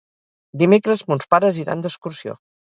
Dimecres mons pares iran d'excursió.